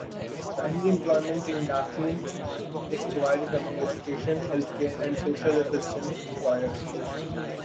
Primary employment in Daphne is divided among education, healthcare and social assistance employers.